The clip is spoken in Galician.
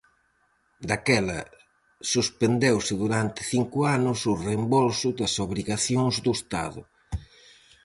Daquela suspendeuse durante cinco anos o reembolso das obrigacións do Estado.